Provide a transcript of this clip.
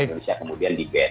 untuk indonesia kemudian di ban